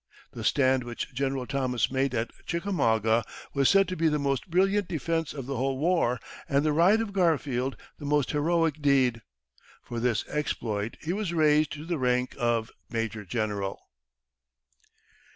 The stand which General Thomas made at Chickamauga was said to be the most brilliant defence of the whole war, and the ride of Garfield the most heroic deed. For this exploit he was raised to the rank of major general.